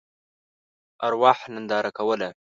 ارواح ننداره کوله.